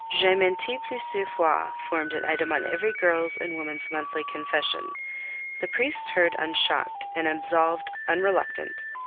"J'ai menti plusieurs fois," formed an item of every girl's and woman's monthly confession: the priest heard unshocked, and absolved unreluctant.